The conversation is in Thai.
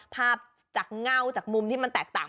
ภาพจากเง่าจากมุมที่มันแตกต่าง